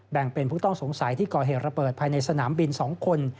แบ่งเป็นผู้ต้องสงสัยที่ก่อเหตุระเบิดภายในสนามบิน๒คน